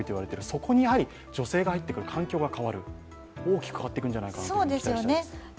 そこに女性が入ってくる環境が変わる、大きく変わってくるんじゃないかと期待します。